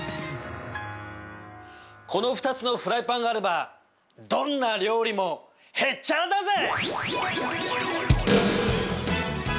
この２つのフライパンがあればどんな料理もへっちゃらだぜ！